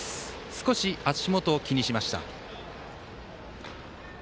少し足元を気にしました。